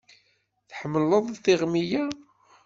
Tḥemmleḍ tiɣmi-ya?